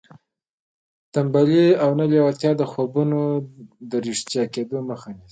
تنبلي او نه لېوالتیا د خوبونو د رښتیا کېدو مخه نیسي